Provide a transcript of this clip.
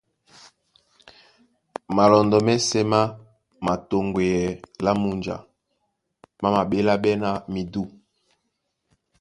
Malɔndɔ́ mɛ́sɛ̄ má mātoŋgweyɛɛ́ lá múnja, má maɓéláɓɛ́ ná midû.